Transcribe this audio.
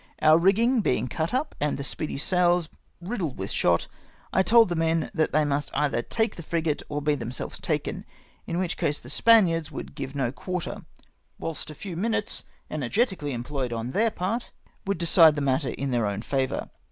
Oiu" rigging being cut up and the Speedy' s sails riddled with shot, I told the men that they must either take the frigate or be themselves taken, in wliich case the Spaniards would give no quarter — whilst a few minutes energetically employed on their part would decide the matter in their own favour.